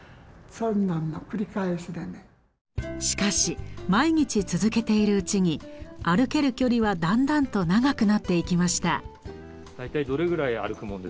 しかし毎日続けているうちに歩ける距離はだんだんと長くなっていきました。